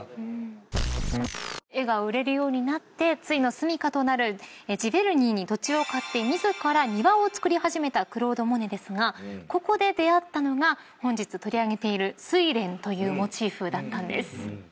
絵が売れるようになって終のすみかとなるジヴェルニーに土地を買って自ら庭を造り始めたクロード・モネですがここで出合ったのが本日取り上げている睡蓮というモチーフだったんです。